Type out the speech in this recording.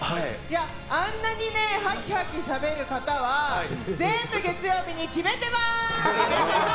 あんなにはきはきしゃべる方は全部月曜日に決めてまーす！